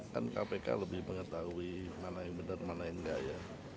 kan kpk lebih mengetahui mana yang benar mana yang enggak ya